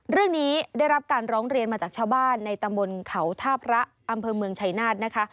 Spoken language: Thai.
ได้รับการร้องเรียนมาจากชาวบ้านในตำบลเขาท่าพระอำเภอเมืองชัยนาธนะคะ